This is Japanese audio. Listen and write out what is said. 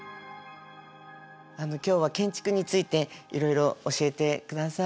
今日は建築についていろいろ教えてください。